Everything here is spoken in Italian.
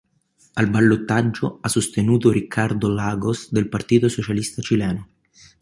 Al ballottaggio ha sostenuto Ricardo Lagos del Partito Socialista Cileno.